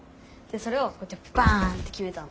それをこうやってバンってきめたの。